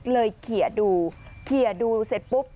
เลยเขียดูเขียดูเสร็จปุ๊บ